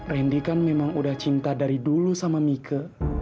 randy kan memang udah cinta dari dulu sama mika